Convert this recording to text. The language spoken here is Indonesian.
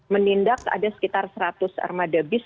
menindak ada sekitar seratus armada bis